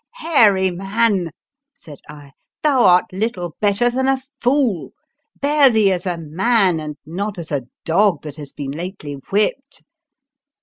" Hairy man," said I, " thou art little better than a fool ! Bear thee as a man, and not as a dog that has been lately whipped!"